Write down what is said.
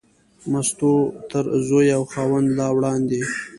مستو تر زوی او خاوند لا وړاندې.